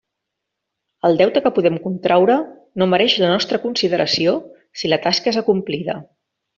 El deute que podem contraure no mereix la nostra consideració si la tasca és acomplida.